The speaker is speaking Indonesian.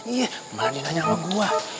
iya malah dia nanya sama gua